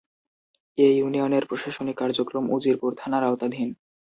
এ ইউনিয়নের প্রশাসনিক কার্যক্রম উজিরপুর থানার আওতাধীন।